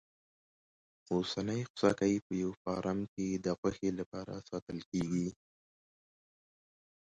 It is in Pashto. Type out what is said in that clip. اوسنی خوسکی په یوه فارم کې د غوښې لپاره ساتل کېږي.